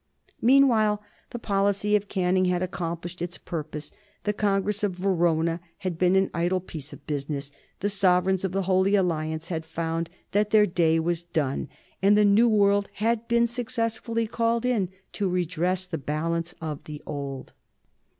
Meanwhile the policy of Canning had accomplished its purpose. The Congress of Verona had been an idle piece of business, the sovereigns of the Holy Alliance had found that their day was done, and the New World had been successfully called in to redress the balance of the Old.